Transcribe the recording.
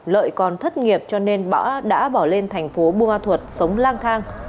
lợi còn thất nghiệp cho nên đã bỏ lên thành phố buôn ma thuật sống lang thang